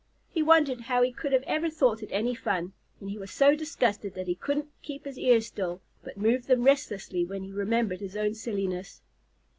He wondered how he could ever have thought it any fun, and he was so disgusted that he couldn't keep his ears still, but moved them restlessly when he remembered his own silliness.